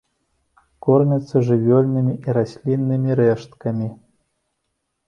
Кормяцца жывёльнымі і расліннымі рэшткамі.